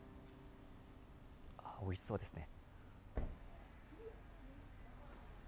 おいしそうですね。